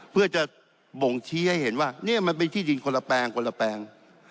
เพื่อจะบ่งชี้ให้เห็นว่านี่มันเป็นที่ดินคนละแปลงคนละแปลง